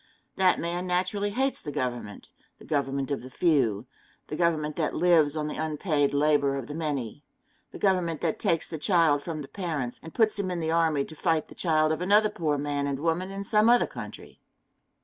That man naturally hates the government the government of the few, the government that lives on the unpaid labor of the many, the government that takes the child from the parents, and puts him in the army to fight the child of another poor man and woman in some other country.